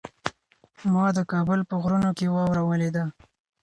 ما د کابل په غرونو کې واوره ولیده.